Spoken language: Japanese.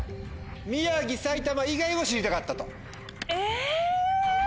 「宮城」「埼玉」以外を知りたかったと。